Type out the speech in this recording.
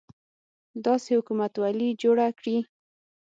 داسې حکومتولي جوړه کړي.